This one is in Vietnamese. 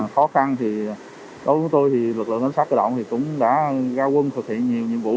khó khăn thì đối với tôi thì lực lượng cảnh sát cơ động cũng đã ra quân thực hiện nhiều nhiệm vụ